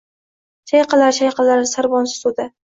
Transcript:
Chayqalar, chayqalar sarbonsiz to’da: